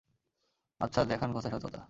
আচ্ছা, দেখান কোথায় সততা?